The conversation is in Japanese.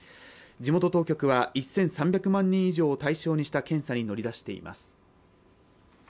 地元当局は１３００万人以上を対象にした検査に乗り出しています。